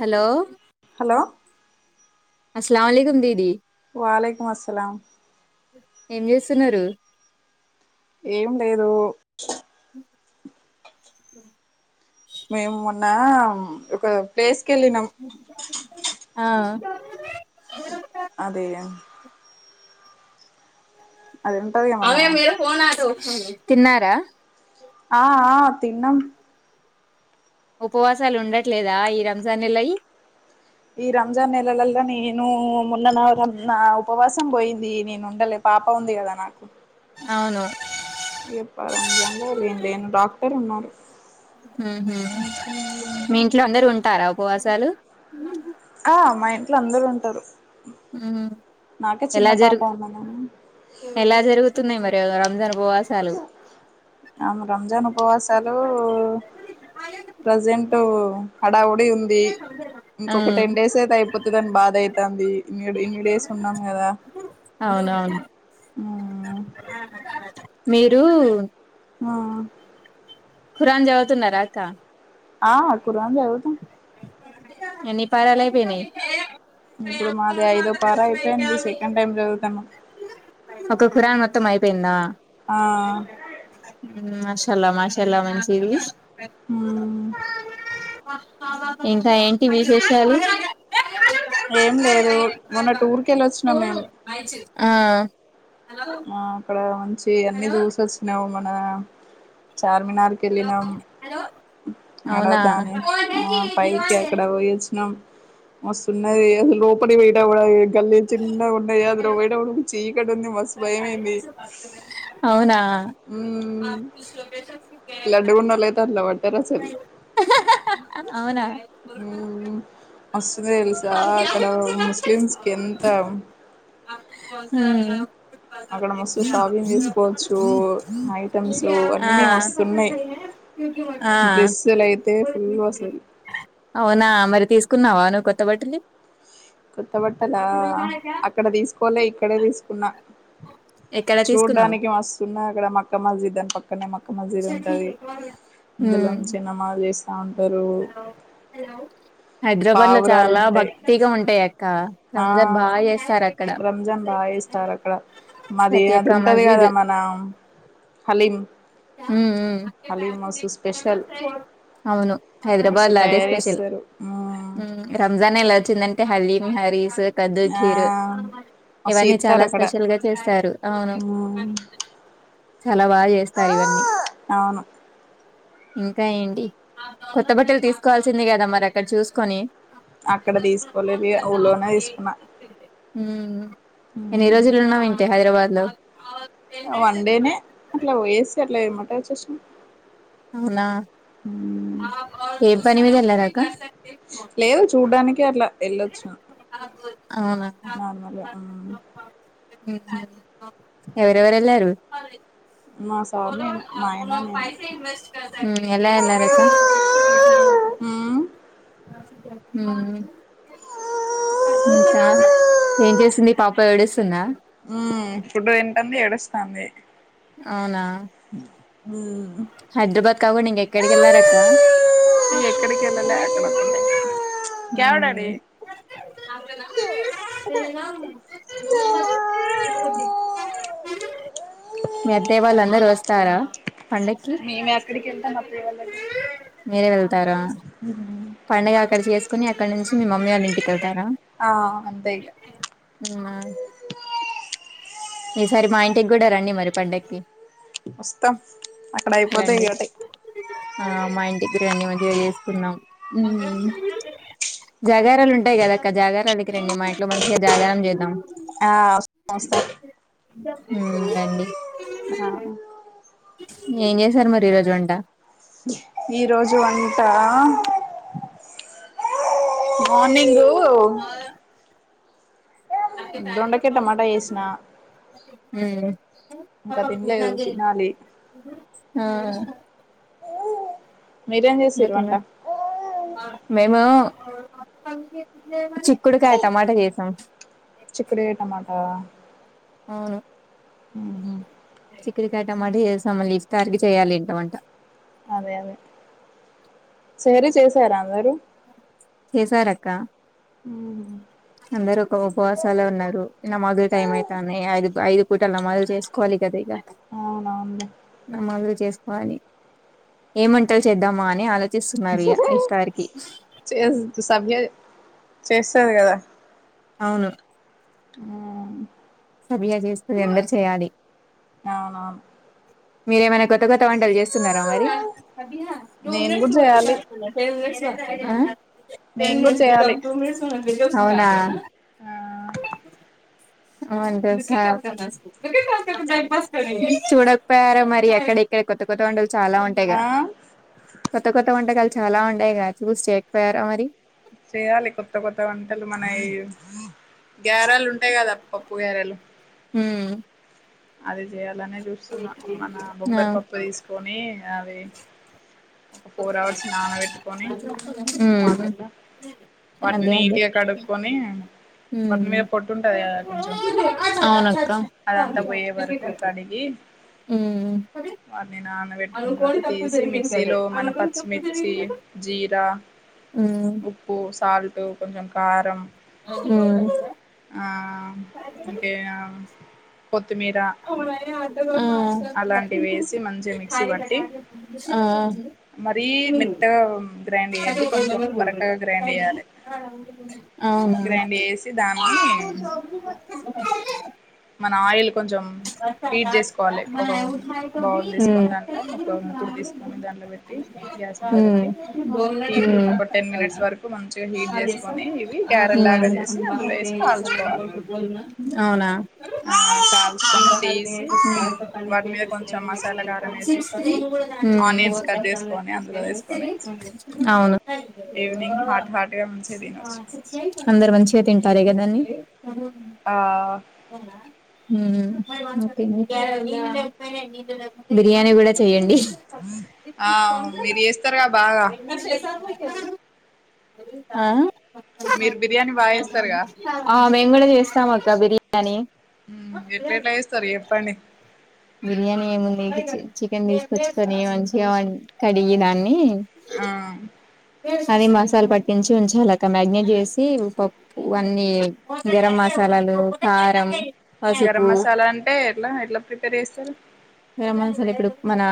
Hello hello అస్లావ్లీగా ఉంది ఇది వాలేకుం అస్లాం ఏం చేస్తున్నారు ఏం లేదు మేము మొన్న ఒక ప్లేస్ కి వెళ్ళినాం ఆ అమ్మ అదేగా ఉంటదిగా మన అవే మీరు ఓన [unintelligible] తిన్నారా ఆ ఆ తిన్నం ఉపవాసాలు ఉండట్లేదా ఈ రంజాన్ నెలయి ఈ రంజాన్ నెలల్లా నేను మొన్న న నా ఉపవాసం పోయింది. నేను ఉండలే పాప ఉంది కదా నాక్ అవును మండే నేను లేను డాక్టర్ ఉన్నారు. ఉహు మీ ఇంట్లో అందరు ఉంటారా ఉపవాసాలు అ మా ఇంట్లో అందరు ఉంటారు. ఉమ్ నాకే చిన్న ఎలా పాప జరుగు ఉన్నదని ఎలా జరుగుతున్నాయి. మరి ఏదో రంజాన్ ఉపవాసాలు ఆమె రంజాన్ ఉపవాసాలు ప్రజెంట్ హడావ బి ఉంది ఇంకొక ఉమ్ టెన్ డేస్ అయితే అయిపోతుందిని బాధ ఐతది ఇన్ని డేస్ ఉన్నాం. కదా అవునవును ఉమ్ మీరూ ఆ కురాన్ చదువుతునారా అక్క ఆ కురాన్ చదువుతాం. ఎన్ని పనులు అయిపోనాయి. ఇప్పుడు మాది ఐదో పార్ అయిపోయింది. సెకండ్ టైమ్ చదువుతము ఒక ఖురాన్ మొత్తం అయిపోయిందా ఆ మాషాల మాషాల మంచిది. హ్మ్ ఇంక ఏంటి విశేషాలు ఏం లేదు మొన్న టూర్ కి ఎళ్లి వచ్చినాం. మేం అ ఆ ఇక్కడ ఉంచి ఈయన్ని రూల్స్ వచినావ్ మా ఆ చార్మినార్కి ఎళ్ళినాం. అక్కడ అవునా దాని పైకి అక్కడ పోయిచ్చినాం. మస్తున్నది లోపట పోయిన కూడా గల్లీ చిన్నగా అందులో పోయేటప్పుడు చీకటి ఇక్కడ మస్త్ అవునా మ్మ్ లడ్డుగుండలేత అట్లవా తైరు అసలు అవునా మ్మ మస్తుంది తెలుసా అక్కడ ముస్లిమ్స్ కి ఎంత హ్మ్ అక్కడ మస్తు షాపింగ్ చేసుకోవచ్చు ఐటమ్స్ ఆ అన్ని మస్తున్నాయి ఆ డ్రెస్సులు అయితే ఫుల్ అసలు అవునా మరి తీసుకున్నావా ను కొత్త బట్టలు కొత్త బట్టలా అక్కడ తీసుకోలే ఇక్కడే తీసుకున్నా ఎక్కడ తీసుకున్నావు చూడ్డానికి మస్తు ఉన్ మాక్కడ మక్కమ్ మాసీద్ద పక్ అక్కనే మక్క మస్జీద్ ఉంటది. అందులోంచిన్నమాజ్ చేసి ఔన్ హలో పావురాలుంటే అక్క ఆ రంజాన్ బాగా చేస్తారు అక్కడ రంజాన్ బాగా చేస్తారు అక్కడ మాది ప్రతి అది ఒక్క ఉంటది మస్జిద్ కదా మన, హలీం హు మ్మ్ హలీం మస్తు స్పెషల్ మ్మ్ అవును మస్తు హైదరాబాద్లా అదే తయారు స్పెషల్ చేస్తారు మ్మ్ హ్మ్ రంజాన్ ఎలా వచ్చిందంటే హలీమ్ హరీస్ కదు ఆ కీరు మస్తు ఇవన్నీ చేస్తారు చాలా అక్కడ స్పెషల్ గా చేస్తారు. అవును మ్మ్ చాలా బాగా చేస్ సరేవన్నీ అవును ఇంకా ఏంటి కొత్త బట్టలు తీసుకోవాల్సింది కదా మరి అక్కడ చూసుకొని అక్కడ తీసుకోలేదు ఇగ ఊళ్లోనే తీసుకున్నా హ్మ్ మ్మ్ ఎన్ని మ్మ్ రోజులు ఉన్నావేంటే హైదరాబాద్ హలో వన్ డేనే అట్లా వోసెస్ చీకట్లో ఏమంటావ [unintelligible] అవునా ఏ పని మీద ఏల్లరా [unintelligible] లేదు చూడ్డానికే అట్లా, వెళ్ళొచ్చిన అవునా నార్మల్గా ఆ ఎవరెవరెళ్ళారు మా సార్ నేను మా ఆయన నేనే ఊ ఎలా ఎల్లారక మ్మ్ ఊ ఇంకా ఏం చేసింది పాప ఏడుస్తుందా తంది అవునా హూ హైదరాబాద్ కాగుండా ఇంకెక్కడికెళ్ళారక్క ఇగ ఎక్కడికి వెళ్ళలే అక్కడ ఒక్కటే క్యావ్ డాడీ ఊ మీ అత్తయ్య వాళ్ళందరూ వస్తారా పండ మేమే అక్కడికెళ్తాం అత్తయ్య వాళ్ళ దగ్గరికి మీరే వెళ్తారా ఉ హు హు పండగ కలిసి చేస్ కుని అక్కడ నుంచి మీ మమ్మీ వాళ్ళ ఇంటికెళ్తారా ఆ అంతే ఇగ ఊనా ఈసారి మా ఇంటికి కూడా రండి మరి పండక్కి వస్తాం అక్కడ అయిపోతే రండి ఓకే [unintelligible] కున్నాం జాగారాలు ఉంటాయి కదా అక్క జాగారాలి రండి మా ఇంట్లో మంచిగా జాగారం చేద్దాం ఆ వస్తాం ఉమ్ రండి ఆ ఏం చేసారు మరి ఈ రోజు వంట మార్నింగ్ దొండకాయ టమాటా చేసిన మ్ ఇంకా తినలేదు తినాలి మ్ మీరేం నే చేసిర్రు తిన్న వంట నేను చిక్కుడుకాయ టమాటా చేసాం చిక్కుడుకాయ టమాటా అవును ఉహు చిక్కుడు టమాట చేశాం ఇఫ్ సారికి చేయాలి ఇక టమాటా అదే అదే సరి చేసరా మీరు చేసారక్క అందరు ఒక ఉపవాసాలు ఉన్నారు నమాజు టైం అయితది ఐదు ఐదు పూటలు నమాజు చేసుకోవాలి కదా ఇక అవునవును నమాజులు ఏం వంటలు చేద్దామా అని ఆలో చిస్తున్నారుగా ఇష్టారికి చేస్ సభ్య చేస్తది కదా అవును ఆ సభియా చేస్తది అందరు చేయాలి ఆ మీరేమైనా కొత్తగా త్త వంటలు చేస్తున్నారా మరి [unintelligible] నేను కూడా చేయాలి ఆ టెన్ నేను కూడా మినిట్స్ ఇంకా చేయాలి టూ మినిట్స్ ఉండు అంతే అవునా ఆ అ అంటే సార్ చూడకు పోయారా మరి ఎక్కడెక్కడ కొత్త కొత్త వంటలు చాలా ఉంటాయిగా ఆ కొత్త కొత్త వంటకాలు చాలా ఉన్నాయిగా చూసి చెయ్యక పోయారా మరి చేయాలి కొత్త కొత్త వంటలు మనయి గ్యారాలు ఉంటాయి కదా పప్పు గ్యారాలు మ్మ్ అది చేయాల్ ఇట్లానే చూస్తున్నా మన ఆ బొబ్బరి పప్పు తీసుకొని అవి ఒక ఫోర్ అవర్స్ నానబెట్టుకొని ఉమ్ వాటర్లో వాటిని అదే అదే నీట్గా కడుక్కకొని వాటిని ఉమ్ మీద పొట్టుంటది కదా కొంచెం అవునక్క అదన్ త పోయే వరకు కడిగి ఉమ్ వాని నాన్నబెట్ పెట్టుకున్న తర్వాత తీసి మిక్సీలో మన పచ్చిమిర్చి జీర ఉమ్ ఉప్పు సాల్ట్ కొంచెం కారం మ్మ్ ఆ ఇంకే అవు అలాంటి వేసి మంచిగా మిక్సీ పట్టి ఆ ఆ మరీ మెత్తగా గ్రైండ్ చేయొద్దు కొంచెం బరకగా గ్రైండ్ చేయాలి గ్రైండ్ చేసి దాన్ని అవున మన ఆయిల్ కొంచెం హీట్ చేసుకోవాలి ఒక బౌల్ తీసుకొని మ్మ్ దాంట్లో ఒక ముకుడు తీసుకొని దాంట్లో పెట్టి గ్యాస్ మీద పెట్టి మ్మ్ హీట్ ఒక టెన్ మినిట్స్ వరకు మంచిగా హీట్ చేసుకొని ఇవి ఆ గారెల్లాగా చేసి అందులో వేసి కాల్చుకోవాలి ఆ అవునా ఊ కాల్చుకొని తీసి వాటి మీద కొంచెం మసాలా కారం వేసి ఆనియన్స్ కట్ చేసుకొని అందులో వేసుకొని అవును ఈవినింగ్ హాట్ హాట్గా మంచిగా తినొచ్చు అందరూ మంచిగా తింటారిగ రన్ ఆ హుమ్మ్ బిర్యాని కూడా చెయ్యండి ఆ మీరు చేస్తారుగా బాగా ఆ మీరు బిర్యానీ బాగా ఏస్తారుగా ఆ మేము కూడా చేస్తాం అక్క బిర్యానీ ఉ ఎట్లెట్ల చేస్తారు చెప్పండి బిర్యానీ ఏముంది ఇ చికెన్ తీసుకొచ్చుకొని మంచిగా కడిగి దాన్ని ఆ అది మసాలా పట్టించి ఉంచాలి అక్క మ్యాగ్నెట్ చేసి పప్పు అన్నీ గరం మసాలాలు కారం గరం పసుపు మసాలా అంటే ఎట్లా ఎట్లా ప్రిపేర్ చేస్తారు గరం మసాలా ఇప్పుడు మన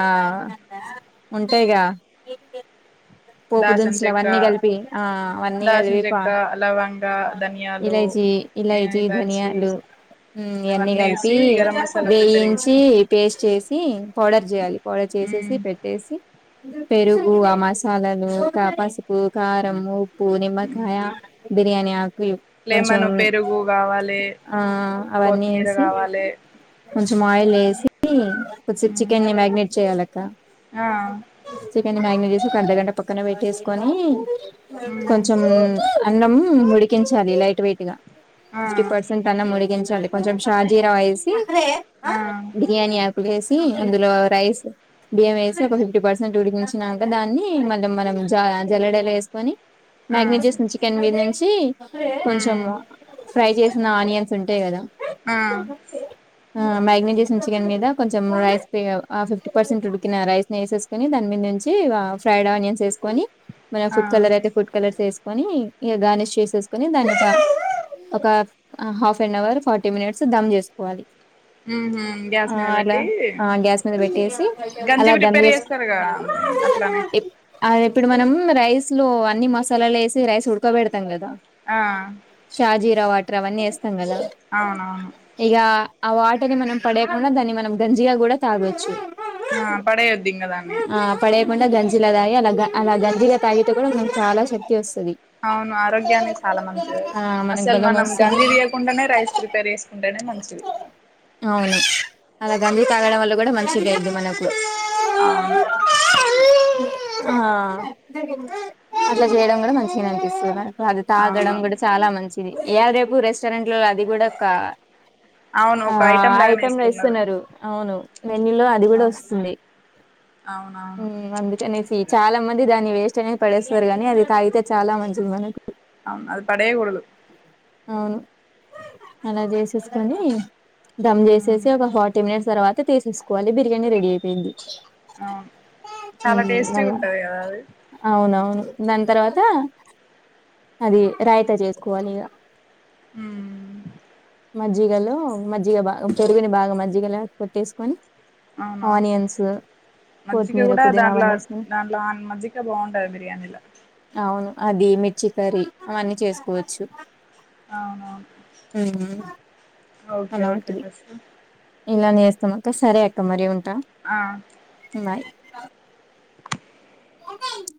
ఉంటాయిగా పోపు దాల్చిన దినుసులు చెక్క అవన్నీ కలిపి ఆ అవన్నీ దాల్చిన కలిపి పా చెక్క లవంగ ధనియాలు ఇలైచి ఇలైచి ఇలాచి ధనియాలు ఉ ఇయన్నీ అవన్నీ కలిపి వేసి గరం మసాలా ప్రిపేర్ వేయించి చేసుకో పేస్ట్ చేసి పౌడర్ చేయాలి పౌడర్ చేసేసి పెట్టేసి పెరుగూ ఆ మసాలా పసుపు కారము ఉ ఉప్పు నిమ్మకాయ బిర్యానీ ఆకు కొంచెం లెమన్ పెరుగు కావాలి ఆ అవన్నీ కొత్తిమీర ఏసి కావాలి కొంచెం ఆయిల్ ఏసి ఉమ్ కొద్దిసేప్ మ్మ్ చికెన్ని మ్యాగ్నేట్ చెయ్యాలి అక్క ఆ చికెన్ని మ్యాగ్నెట్ చేసి ఒక అర్ధగంట పక్కన పెట్టేసుకొని మ్మ్ కొంచం అన్నం ఉడికించాలి లైట్ వెయిట్ గా ఆ ఫిఫ్టీ పర్సెంట్ అన్నం ఉడికించా లి కొంచెం షార్ జీరా వేసి ఆ బిరియాని ఆకు వేసి అందులో రైస్ బియ్యం వేసి ఒక ఫిఫ్టీ పర్సెంట్ ఉడికించినక దాన్ని మ మనం జ జల్లడల ఏసుకొని ఆ మ్యాగ్నేట్ చేసిన చికెన్ మీదినుంచి కొంచెం మ్మ్ ఫ్రై చేసి నా ఆనియన్స్ ఉంటాయి కదా ఆ ఆ మ్యాగినేట్ చేసిన చికెన్ మీద కొంచెం రైస్ ఆ ఫిఫ్టీ పర్సెంట్ ఉడికిన రైస్ ని వేసేసుకొని దాని మీద నుంచి ఫ్రైడ్ ఆనియన్స్ వేసుకొని మన ఆ ఫుడ్ కలర్ అయితే ఫుడ్ కలర్ సెస్ కొని ఇక గార్నిష్ చేసేసుకొని దాన్ని ఒక half an hour forty minutes dum చేసుకోవాలి మ్మ్ హ్మ్ గ్యాస్ ఆ మీద అలా పెట్టి ఆ గ్యాస్ మీద పెట్టేసి గంజి అలా దమ్ ప్రిపేర్ చేస్తారుగా చేసుకుంటున్నా అట్లానే అది ఇప్పుడు మనం రైస్ లో అన్ని మసాలాలు వేసి రైస్ ఉడుకోబెడతాం కదా ఆ షాజీరా వాటర్ అవన్నీ వేస్తాం కదా అవునవును ఇగ ఆ వాటర్ ని మనం పడేయకుండా దాన్ని మనం గంజిగా కూడా తాగొచ్చు ఆ పడేయొద్దింగ దాన్ని మండె గంజి ఇలా తాగి అలాగా అలా గంజీలా తాగితే కూడా మనకు చాలా శక్తి వస్ అవును ఆరోగ్యానికి చాలా మంచిదది ఆ మనకు అసలు బలం మనం వస్తది గంజి తీయకుండానే రైస్ ప్రిపేర్ చేసుకుంటేనే మంచిది అవును అలా గంజి తాగడం వల్ల కూడా మంచిగయిద్ది మనకు అవును ఆ అట్లా చేయడం కూడా మంచిగనే అనిపిస్తు నా తే అది తాగడం కూడా అవునవును చాలా మంచిది ఇయా రేపు రెస్ట్ చ్చరంట్ల అది కూడా అవును ఆ ఒక లాగానే ఐటెం ఇస్తున్నారు వేస్తున్నారు అవును మెన్యూ లో అది కూడా అవును వస్తుంది అవునవును అందుకని చాలా మంది దాని వేస్ట్ అనేది పడేస్తారు కానీ అది తాగితే చాలా మంచిది మనకి అవును అది పడేయకూడదు అవును అలా చేసేసుకొని ధమ్ ఉమ్, చేసేసి ఒక ఫార్టీ మినిట్స్ తరవా అ తీసేసుకోవాలి బిర్యానీ రె అయిపోయింది ఆ చాలా టేస్ట్ చ్చ ఉంటా అవును దాని తర్వాత అది రాయితా చేసుకోవాలి ఇక హ మజ్జిగలో మజ్జిగ బాగా ప పెరుగుని బాగా మజ్జిగలో కొట్టేసుకొని అవునవును ఆనియన్స్ మజ్జిక కొత్తిమీర కూడా పుదీనా దాంట్లో అవన్నీ వేసుకొని దాంట్లో మజ్జిక బాగుంటదు బిర్యానీల మర అవన్నీ చేసుకోవచ్చు అవును ఉమ్ ఓకే ఓకేస్ ఇలా నేస్తా అక్క సరే అక్క మరి ఉంటు ఉన్నాయి హ ఉంది